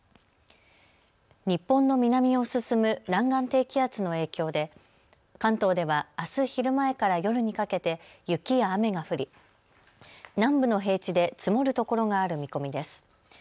日本の南を進む南岸低気圧の影響で関東では、あす昼前から夜にかけて雪や雨が降り南部の平地で積もるところがある見込みです。